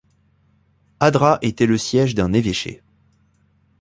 Adraa était le siège d'un évêché.